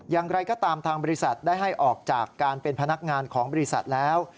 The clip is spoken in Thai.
อย่างไรก็ตามทางบริษัทได้ให้ออกจากการเป็นพนักงานของบริษัทแล้ว